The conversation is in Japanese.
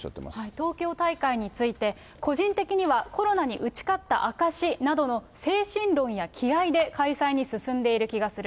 東京大会について、個人的には、コロナに打ち勝った証しなどの、精神論や気合いで開催に進んでいる気がする。